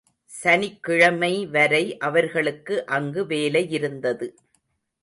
சனிக்கிழமைவரை அவர்களுக்கு அங்கு வேலையிருந்தது.